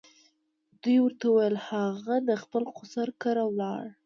دوی ورته وویل هغه د خپل خسر کره ولاړ.